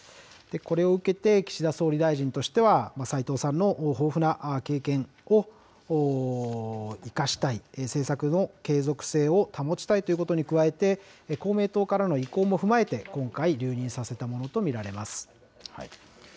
これを受けて、岸田総理大臣としては斉藤さんの豊富な経験を生かしたい、政策の継続性を保ちたいということに加えて、公明党からの意向も踏まえて、今回、留任させたものと見られます。